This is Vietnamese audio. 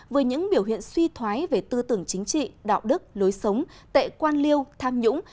với những biểu hiện suy thoái về tư tưởng chính trị đạo đức lối sống tệ quan liêu tham nhũng